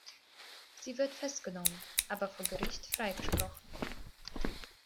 Sie wird festgenommen, aber vor Gericht freigesprochen.